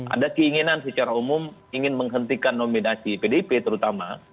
ada keinginan secara umum ingin menghentikan nominasi pdip terutama